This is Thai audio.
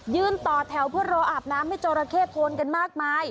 ต่อแถวเพื่อรออาบน้ำให้จราเข้โทนกันมากมาย